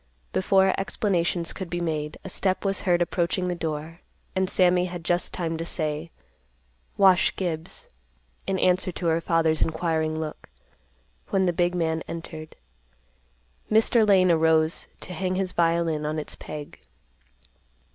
Before explanations could be made, a step was heard approaching the door, and Sammy had just time to say, "Wash Gibbs," in answer to her father's inquiring look, when the big man entered. Mr. Lane arose to hang his violin on its peg.